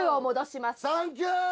サンキュー